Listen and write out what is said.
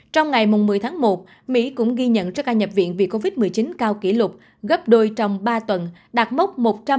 trong ngày một mươi tháng một mỹ cũng ghi nhận cho ca nhập viện vì covid một mươi chín cao kỷ lục gấp đôi trong ba tuần đạt mốc một trăm ba mươi năm năm trăm linh